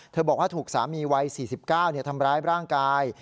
บอกว่าถูกสามีวัย๔๙ทำร้ายร่างกาย